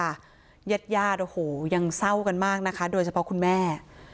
ญาติญาติโอ้โหยังเศร้ากันมากนะคะโดยเฉพาะคุณแม่